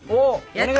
やった！